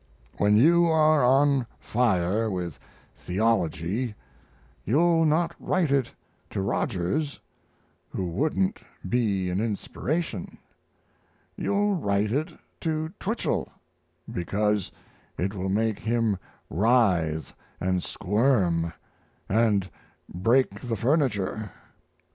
When you are on fire with theology you'll not write it to Rogers, who wouldn't be an inspiration; you'll write it to Twichell, because it will make him writhe and squirm & break the furniture.